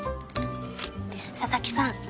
佐々木さん